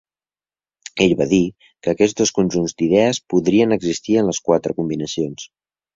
Ell va dir que aquests dos conjunts d'idees podrien existir en les quatre combinacions.